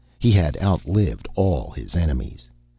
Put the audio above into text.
He had outlived all his enemies.